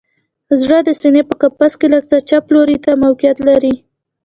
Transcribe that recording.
زړه د سینه په قفس کې لږ څه چپ لوري ته موقعیت لري